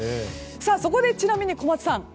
そこで、ちなみに小松さん。